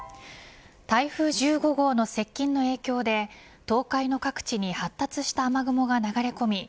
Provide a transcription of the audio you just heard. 台風１５号の接近の影響で東海の各地に発達した雨雲が流れ込み